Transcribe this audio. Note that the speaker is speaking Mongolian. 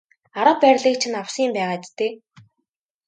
Арга барилыг чинь авсан юм байгаа биз дээ.